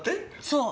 そう。